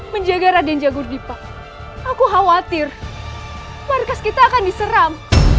menjaga raden jagur dipa aku khawatir markas kita akan diseram